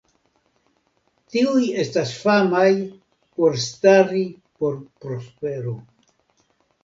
Tiuj estas famaj por stari por prospero.